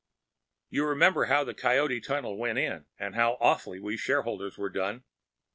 You remember how the Coyote Tunnel went in, and how awfully we shareholders were done!